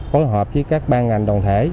phối hợp với các ban ngành đoàn thể